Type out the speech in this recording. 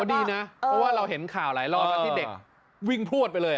ดีนะเพราะว่าเราเห็นข่าวหลายรอบนะที่เด็กวิ่งพลวดไปเลย